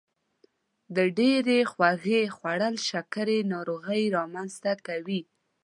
د ډیرې خوږې خوړل شکر ناروغي رامنځته کوي.